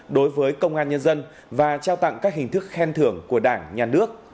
đối với công an nhân dân và trao tặng các hình thức khen thưởng của đảng nhà nước